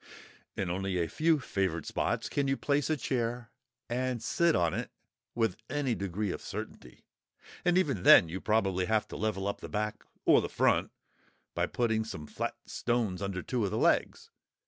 In only a few favoured spots can you place a chair—and sit on it—with any degree of certainty; and even then you probably have to level up the back, or the front, by putting some flat stones under two of the legs.